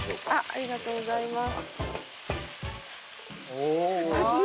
ありがとうございます。